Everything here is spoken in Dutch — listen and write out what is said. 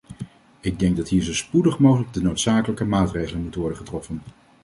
Ik denk dat hier zo spoedig mogelijk de noodzakelijke maatregelen moeten worden getroffen.